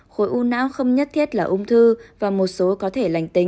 khối u não không nhất thiết là ung thư và một số có thể lành tính